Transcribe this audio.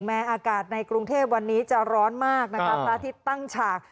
แม้อากาศในกรุงเทพฯวันนี้จะร้อนมากอาทิตย์ตั้งฉาก